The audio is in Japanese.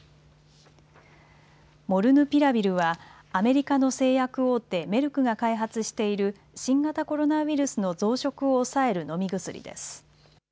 モルヌピラビルはアメリカの製薬大手メルクが開発している新型コロナウイルスの増殖を抑える飲み薬です。